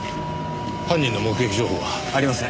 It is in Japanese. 犯人の目撃情報は？ありません。